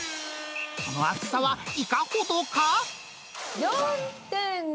厚さはいかほどか？